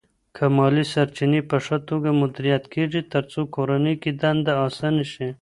مالی سرچینې په ښه توګه مدیریت کېږي ترڅو کورنۍ کې دنده اسانه شي.